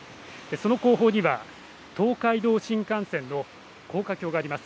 その後方には東海道新幹線の高架橋があります。